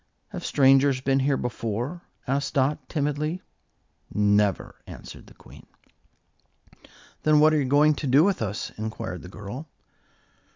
"Have strangers been here before?" asked Dot, timidly. "Never," answered the Queen. "Then what are you going to do with us?" inquired the girl.